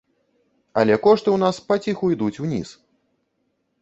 Але кошты і ў нас паціху ідуць уніз.